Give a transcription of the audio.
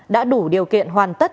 đã đủ điều kiện hoàn tất